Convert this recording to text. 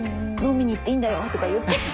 飲みにいっていいんだよとか言って。